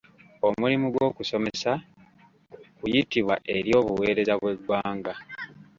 Omulimu gw'okusomesa kuyitibwa eri obuweereza bw'eggwanga.